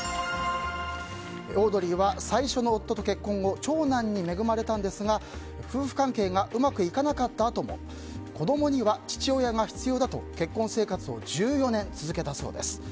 オードリーは最初の夫と結婚後長男に恵まれたんですが夫婦関係がうまくいかなかったあとも子供には父親が必要だと結婚生活を１４年続けたそうです。